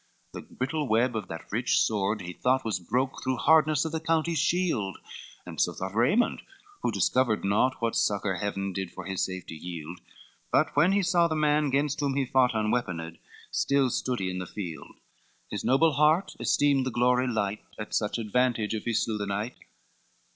XCIV The brittle web of that rich sword he thought, Was broke through hardness of the County's shield; And so thought Raymond, who discovered naught What succor Heaven did for his safety yield: But when he saw the man gainst whom he fought Unweaponed, still stood he in the field; His noble heart esteemed the glory light, At such advantage if he slew the knight.